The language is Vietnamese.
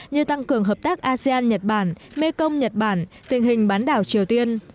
như tăng cường hợp tác asean nhật bản mekong nhật bản tình hình bán đảo triều tiên